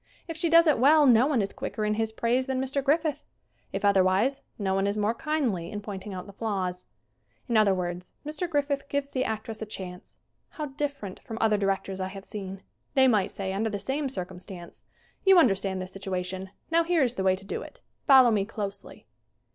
If she does it well no one is quicker in his praise than Mr. Griffith. If otherwise, no one is more kindly in pointing out the flaws. In other words, Mr. Griffith gives the actress a chance. How different from other directors I have seen. They might say under the same circumstances : "You understand this situation. Now here is the way to do it. Follow me closelly."